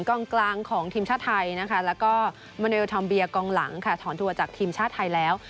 กลางของทีมชาติไทยนะคะแล้วก็มาเนลทอมเบียกองหลังค่ะถอนทัวร์จากทีมชาติไทยแล้ว